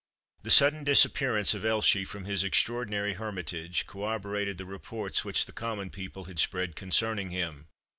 The sudden disappearance of Elshie from his extraordinary hermitage corroborated the reports which the common people had spread concerning him.